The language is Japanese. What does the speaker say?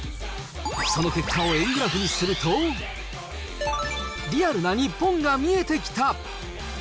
その結果を円グラフにすると、リアルな日本が見えてきた。